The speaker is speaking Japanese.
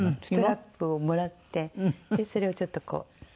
ストラップをもらってそれをちょっとこう。